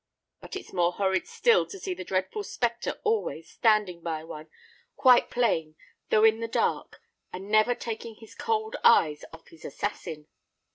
_' But it's more horrid still to see the dreadful spectre always standing by one—quite plain, though in the dark—and never taking his cold eyes off his assassin."